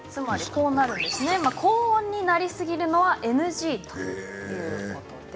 高温になりすぎるのはＮＧということです。